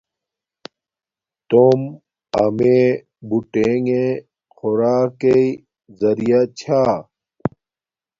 توم امیے بوٹیݣے خوراکݵ زریعہ چھا